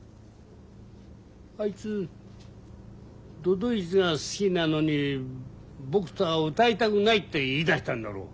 あいつ都々逸が好きなのに僕とは歌いたくないって言いだしたんだろう。